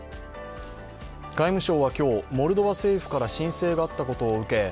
外務省は今日、モルドバ政府から申請があったことを受け